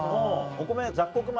お米雑穀米？